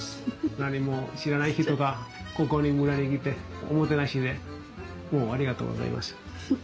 何も知らない人がここに村に来ておもてなしでありがとうございました。